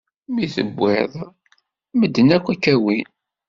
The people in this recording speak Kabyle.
Mi tewwiḍ, medden ad k-awin.